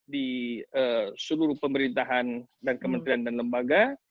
di seluruh pemerintahan dan kementerian dan lembaga